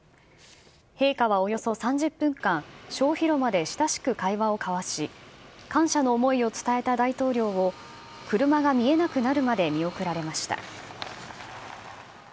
陛下はおよそ３０分間、小広間で親しく会話を交わし、感謝の思いを伝えた大統領を車が見えなくなるまで見送られました。